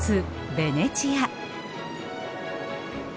ベネチア。